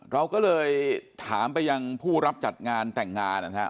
เราก็เลยถามไปยังผู้รับจัดงานแต่งงานนะครับ